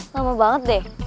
lama banget deh